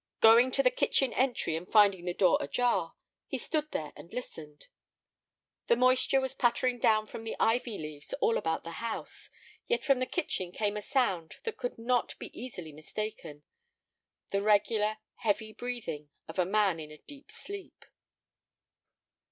Going to the kitchen entry and finding the door ajar, he stood there and listened. The moisture was pattering down from the ivy leaves all about the house, yet from the kitchen came a sound that could not be easily mistaken—the regular, heavy breathing of a man in a deep sleep.